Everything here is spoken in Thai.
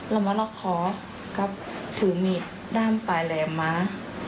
เรามาล็อกคอกับถือมีดด้ามปลายแหลมมา